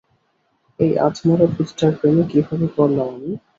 এই আধমরা ভূতটার প্রেমে কীভাবে পড়লাম আমি?